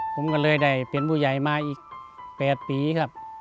ผมก็เลยได้เป็นผู้ใหญ่มาอีก๘ปีครับ